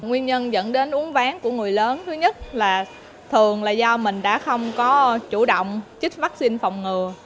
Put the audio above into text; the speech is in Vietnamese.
nguyên nhân dẫn đến uống ván của người lớn thứ nhất là thường là do mình đã không có chủ động chích vaccine phòng ngừa